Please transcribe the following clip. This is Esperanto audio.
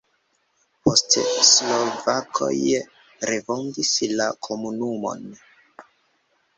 Poste slovakoj refondis la komunumon.